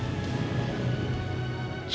dia minta waktu